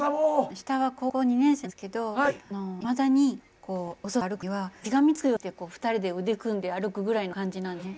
下は高校２年生なんですけどいまだにお外歩く時にはしがみつくようにして２人で腕組んで歩くぐらいの感じなんですね。